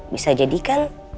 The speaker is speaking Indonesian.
bisa jadi kan